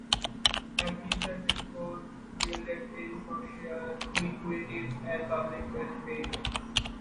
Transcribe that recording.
Her pieces exposed Gilded Age social inequities and public health failures.